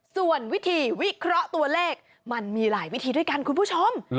ส่วนวิธีวิเคราะห์ตัวเลขมันมีหลายวิธีด้วยกันคุณผู้ชม